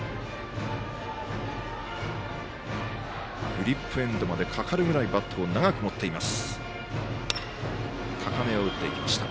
グリップエンドまでかかるぐらいバットを長く持っています。